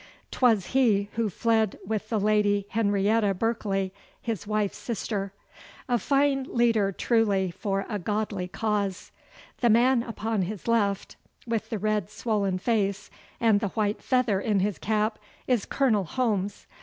'Twas he who fled with the Lady Henrietta Berkeley, his wife's sister. A fine leader truly for a godly cause! The man upon his left, with the red swollen face and the white feather in his cap, is Colonel Holmes.